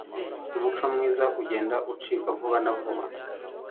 umuco mwiza ugenda ucika vubana vuba